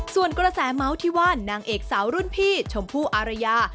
ส่วนกระแสเมาส์ที่ว่านางเอกสาวรุ่นพี่ชมพู่อารยา